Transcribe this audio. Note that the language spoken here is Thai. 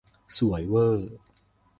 สวยเว่อ